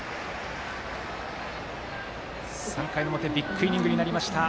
３回の表ビッグイニングになりました。